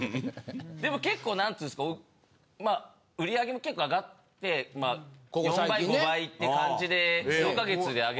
でも結構何て言うんですかまあ売り上げも結構上がって４倍５倍って感じで数か月で。